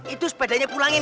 itu sepedanya pulangin